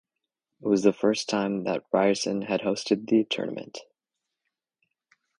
It was the first time that Ryerson had hosted the tournament.